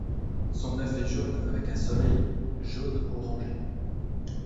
Son œuf est jaune avec un soleil jaune orangé.